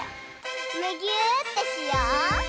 むぎゅーってしよう！